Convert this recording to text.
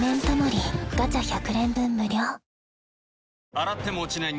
洗っても落ちない